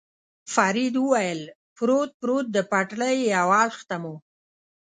فرید وویل: پروت، پروت، د پټلۍ یو اړخ ته مو.